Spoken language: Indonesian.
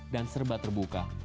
dan serba terbuka